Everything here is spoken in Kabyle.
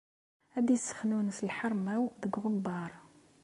Ad issexnunes lḥerma-w deg uɣebbar.